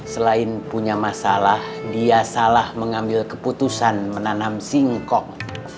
selain punya masalah dia salah mengambil keputusan menanam singkong